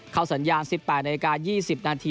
เข้าสัญญาณ๑๘นาฬิกา๒๐นาที